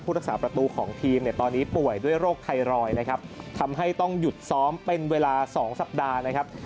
รักษาประตูของทีมเนี่ยตอนนี้ป่วยด้วยโรคไทรอยด์นะครับทำให้ต้องหยุดซ้อมเป็นเวลาสองสัปดาห์นะครับ